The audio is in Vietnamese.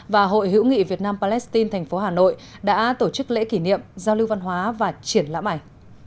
và hội hữu nghị việt nam palestine thành phố hà nội đã tổ chức lễ kỷ niệm giao lưu văn hóa và triển lãm ảnh